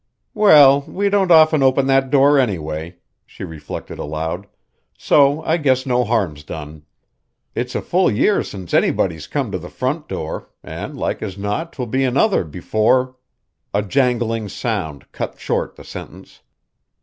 "Well, we don't often open that door, anyway," she reflected aloud, "so I guess no harm's done. It's a full year since anybody's come to the front door, an' like as not 'twill be another before " A jangling sound cut short the sentence.